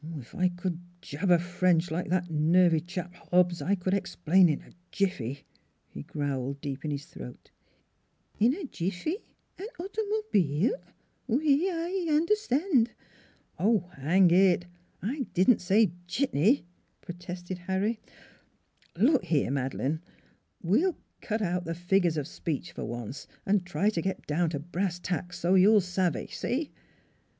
" If I could jabber French like that nervy chap, Hobbs, I could explain in a jiffy," he growled deep in his throat. "In a jiffy? an auto mo bile? Oui I un'er stan 1 !"" Hang it ! I didn't say jitney," protested Harry. " Look here, Madeleine, we'll cut out the figures of speech, for once, an' try to get down to brass tacks, so you'll savez see